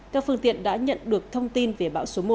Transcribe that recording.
các phương tiện đã nhận được thông tin về bão số một